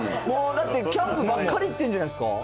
もうだって、キャンプばっかり行ってるんじゃないですか。